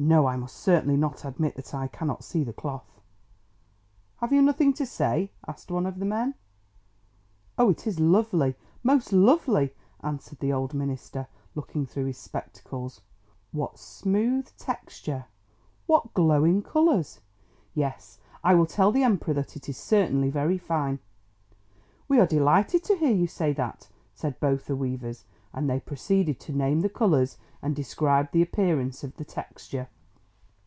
No, I must certainly not admit that I cannot see the cloth!" "Have you nothing to say?" asked one of the men. "Oh, it is lovely, most lovely!" answered the old minister, looking through his spectacles. "What smooth texture! What glowing colours! Yes, I will tell the Emperor that it is certainly very fine." "We are delighted to hear you say that," said both the weavers, and they proceeded to name the colours and describe the appearance of the texture.